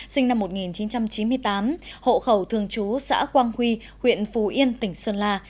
sinh năm một nghìn chín trăm chín mươi tám hộ khẩu thường trú xã quang huy huyện phù yên tỉnh sơn la